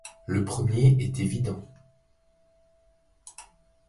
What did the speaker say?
Le premier est évident.